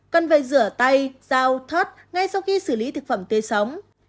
cần phải rửa tay rau thớt ngay sau khi xử lý thực phẩm tươi sống